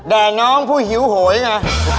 แด่น้องผู้หิวโหยน่ะ